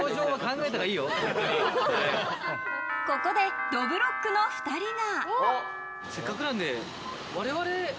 ここで、どぶろっくの２人が。